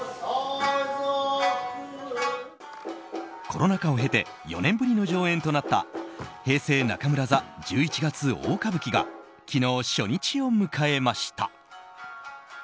コロナ禍を経て４年ぶりの上演となった「平成中村座十一月大歌舞伎」が昨日、初日を迎えました。